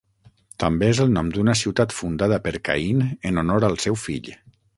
També és el nom d'una ciutat fundada per Caín en honor al seu fill.